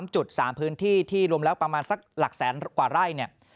๓จุด๓พื้นที่ที่รวมแล้วประมาณสักหลักแสนกว่าไร่เนี่ย